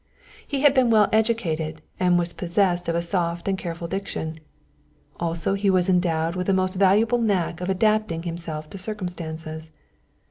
He had been well educated and was possessed of a soft and careful diction. Also he was endowed with the most valuable knack of adapting himself to circumstances.